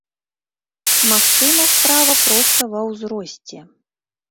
Магчыма, справа проста ва ўзросце.